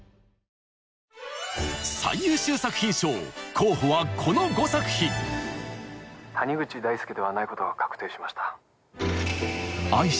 候補はこの５作品谷口大祐ではないことは確定しました。